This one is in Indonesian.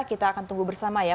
kita akan tunggu bersama ya